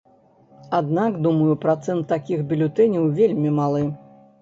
Аднак, думаю, працэнт такіх бюлетэняў вельмі малы.